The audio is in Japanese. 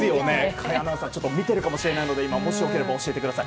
甲斐アナウンサー見てるかもしれないのでもし良ければ教えてください。